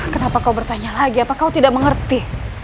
kenapa kau bertanya lagi apa kau tidak mengerti